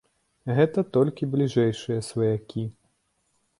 Гэта толькі бліжэйшыя сваякі.